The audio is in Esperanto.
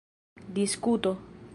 diskuto